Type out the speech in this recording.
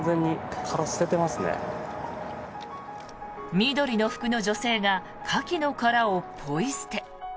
緑の服の女性がカキの殻をポイ捨て。